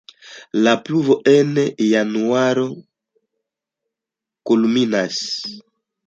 La pluvo en januaro kulminas.